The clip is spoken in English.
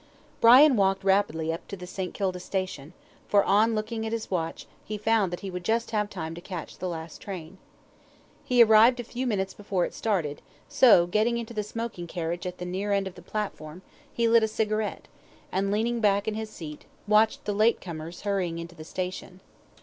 Brian walked rapidly up to the St. Kilda station, for on looking at his watch he found that he would just have time to catch the last train. He arrived a few minutes before it started, so, getting into the smoking carriage at the near end of the platform, he lit a cigarette, and, leaning back in his seat, watched the late comers hurrying into the station.